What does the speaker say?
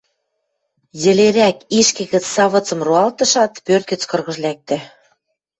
йӹлерӓк ишкӹ гӹц савыцым роалтышат, пӧрт гӹц кыргыж лӓктӹ...